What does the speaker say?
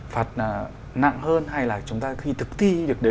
phạt nặng hơn